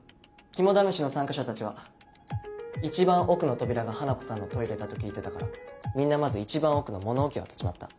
肝試しの参加者たちは一番奥の扉が花子さんのトイレだと聞いてたからみんなまず一番奥の物置を開けちまった。